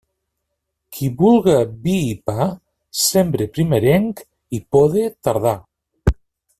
Qui vulga vi i pa, sembre primerenc i pode tardà.